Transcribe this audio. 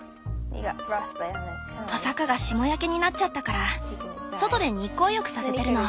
トサカが霜焼けになっちゃったから外で日光浴させてるの。